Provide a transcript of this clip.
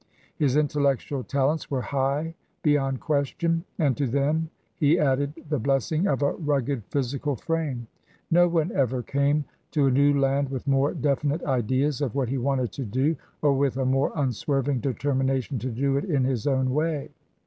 His intellectual talents were high beyond question, and to them he added the bless ing of a rugged physical frame. No one ever came to a new land with more definite ideas of what he wanted to do or with a more unswerving determination to do it in his own way.